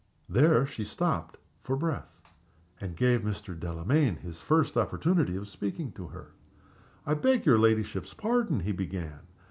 There she stopped for breath, and gave Mr. Delamayn his first opportunity of speaking to her. "I beg your ladyship's pardon," he began.